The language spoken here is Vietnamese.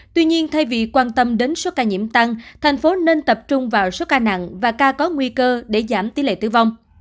tuy nhiên thay vì quan tâm đến số ca nhiễm tăng thành phố nên tập trung vào số ca nặng và ca có nguy cơ để giảm tỷ lệ tử vong